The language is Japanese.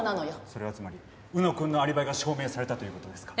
それはつまり浮野くんのアリバイが証明されたという事ですか？